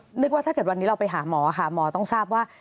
นึกว่าถ้าเกิดวันนี้เราไปหาหมอค่ะหมอต้องทราบว่า